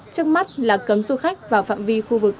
trước mắt là cấm du khách vào phạm vi khu vực